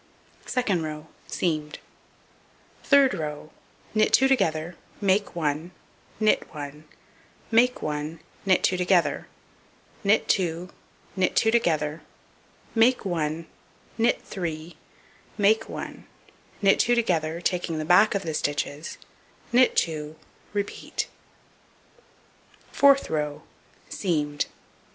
Second row: Seamed. Third row: Knit 2 together, make 1, knit 1, make 1, knit 2 together, knit 2, knit 2 together, make 1, knit 3, make 1, knit 2 together, taking the back of the stitches, knit 2; repeat. Fourth row: Seamed.